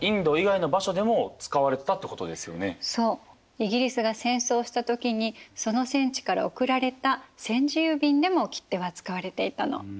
イギリスが戦争した時にその戦地から送られた戦時郵便でも切手は使われていたの。